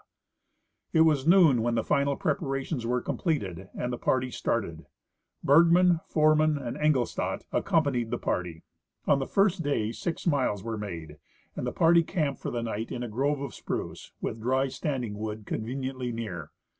It was noon when the final preparations were completed and the party started. Bergman, Foreman and Engelstad accompanied the party. On the first day six miles were made, and the party camped for the night in a grove of spruce, with dry standing wood conveniently near.